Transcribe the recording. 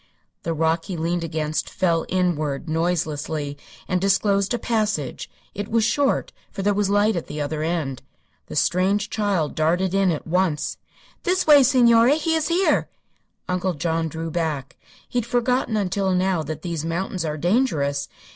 The rock he leaned against fell inward, noiselessly, and disclosed a passage. It was short, for there was light at the other end. The strange child darted in at once. "This way, signore. He is here!" Uncle John drew back. He had forgotten until now that these mountains are dangerous.